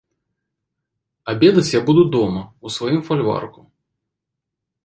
Абедаць я буду дома, у сваім фальварку.